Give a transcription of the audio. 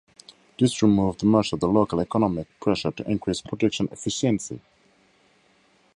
This removed much of the local economic pressure to increase production efficiency.